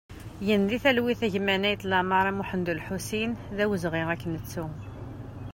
Gen di talwit a gma Naït Lamara Muḥand Ulḥusin, d awezɣi ad k-nettu!